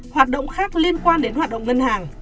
hoạt động khác liên quan đến hoạt động ngân hàng